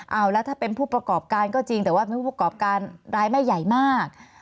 เอาแล้วถ้าเป็นผู้ประกอบการก็จริงแต่ว่ามีผู้ประกอบการรายไม่ใหญ่มาก